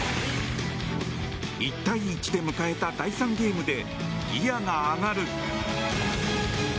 １対１で迎えた第３ゲームでギアが上がる。